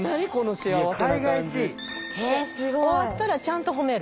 終わったらちゃんと褒める。